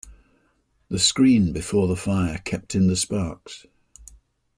The screen before the fire kept in the sparks.